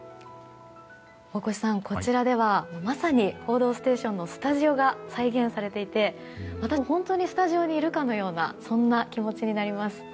大越さん、こちらではまさに「報道ステーション」のスタジオが再現されていて私も本当にスタジオにいるかのようなそんな気持ちになります。